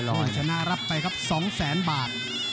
คู่ชนะรับไปครับ๒๐๐๐๐๐บาท